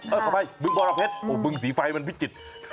เอ้ยขอไปบึงบาระเพชรบึงสีไฟมันพิจิตร